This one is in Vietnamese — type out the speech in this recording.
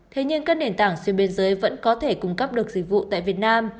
thế nhưng các nền tảng xuyên biên giới vẫn có thể cung cấp được dịch vụ tại việt nam